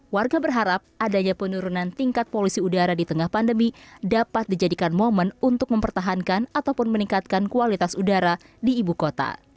warga berharap adanya penurunan tingkat polusi udara di tengah pandemi dapat dijadikan momen untuk mempertahankan ataupun meningkatkan kualitas udara di ibu kota